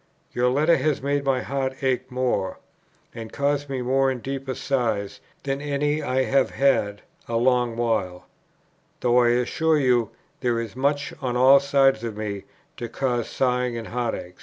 Your letter has made my heart ache more, and caused me more and deeper sighs than any I have had a long while, though I assure you there is much on all sides of me to cause sighing and heartache.